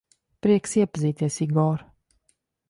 Prieks iepazīties, Igor.